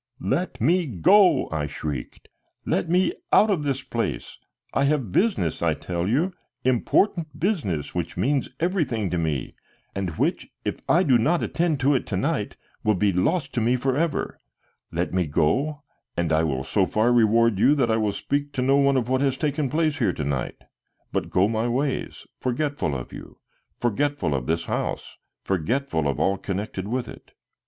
"Let me go!" I shrieked. "Let me go out of this place. I have business, I tell you, important business which means everything to me, and which, if I do not attend to it to night, will be lost to me forever. Let me go, and I will so far reward you that I will speak to no one of what has taken place here to night, but go my ways, forgetful of you, forgetful of this house, forgetful of all connected with it."